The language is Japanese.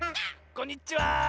こんにちは！